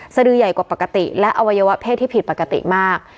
สดือใหญ่กว่าปกติและอวัยวะเพศที่ผิดปกติมาก